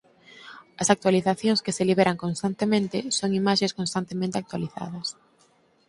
As actualizacións que se liberan constantemente son imaxes constantemente actualizadas.